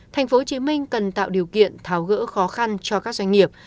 tp hcm cần tạo điều kiện tháo gỡ khó khăn cho các doanh nghiệp